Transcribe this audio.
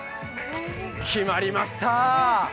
決まりました！